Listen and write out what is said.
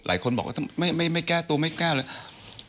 หลายคนบอกว่าไม่แก้ตัวไม่แก้เลย